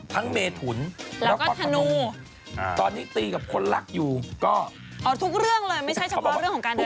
เมถุนแล้วก็ธนูตอนนี้ตีกับคนรักอยู่ก็เอาทุกเรื่องเลยไม่ใช่เฉพาะเรื่องของการดี